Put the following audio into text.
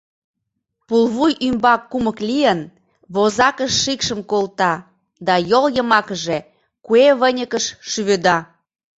Пулвуй ӱмбак кумык лийын, возакыш шикшым колта да йол йымакыже, куэ выньыкыш, шӱведа.